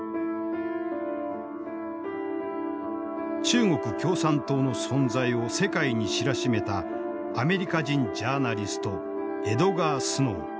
中国共産党の存在を世界に知らしめたアメリカ人ジャーナリストエドガー・スノー。